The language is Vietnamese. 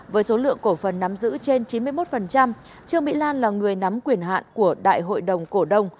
với số lượng cổ phần nắm giữ trên chín mươi một trương mỹ lan là người nắm quyền hạn của đại hội đồng cổ đông